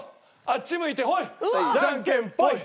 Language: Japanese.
あっち向いてホイ！